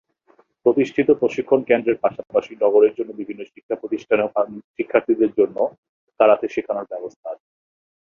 প্রতিষ্ঠিত প্রশিক্ষণকেন্দ্রের পাশাপাশি নগরের বিভিন্ন শিক্ষাপ্রতিষ্ঠানেও শিক্ষার্থীদের জন্য কারাতে শেখানোর ব্যবস্থা আছে।